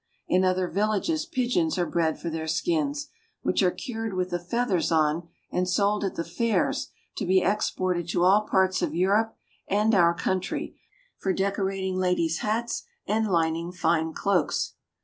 In other villages pigeons are bred for their skins, which are cured with the feathers on, and sold at the fairs to be exported to all parts of Europe and our country, for decorating ladies' hats and lining fine cloaks.